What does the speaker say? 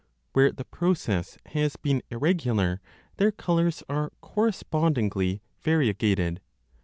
Where the process has been irregular, their colours are correspondingly varie 10 gated.